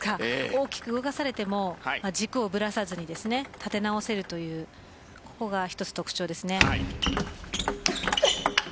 大きく動かされても軸をぶらさずに立て直せるというのが１つの特徴です。